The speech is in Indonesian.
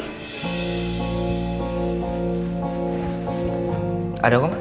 apa kabar cincin yang mama kasih